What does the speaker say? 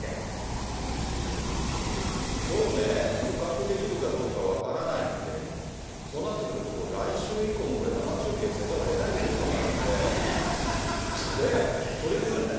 きょうね、捕獲できるかどうか分からないんで、そうなってくると、来週以降もこれ、生中継せざるをえないってことになるんで、鳥くん。